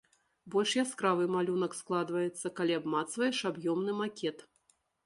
Больш яскравы малюнак складваецца, калі абмацваеш аб'ёмны макет.